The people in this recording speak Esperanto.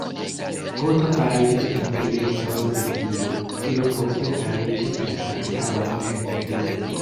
Oto fariĝis imperiestro de tio, kio poste fariĝis la Sankta Romia Imperio.